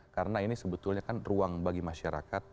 karena ini sebetulnya kan ruang bagi masyarakat